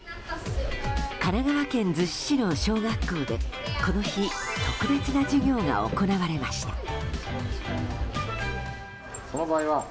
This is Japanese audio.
神奈川県逗子市の小学校でこの日特別な授業が行われました。